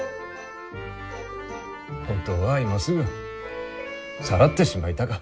本当は今すぐさらってしまいたか。